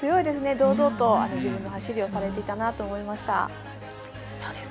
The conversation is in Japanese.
堂々と自分の走りをされているなと思いました。